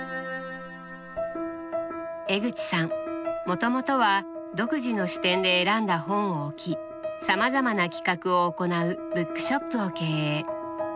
もともとは独自の視点で選んだ本を置きさまざまな企画を行うブックショップを経営。